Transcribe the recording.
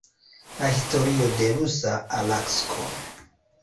La historio de rusa Alasko.